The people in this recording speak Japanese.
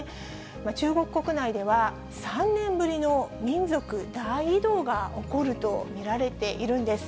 中国国内では、３年ぶりの民族大移動が起こると見られているんです。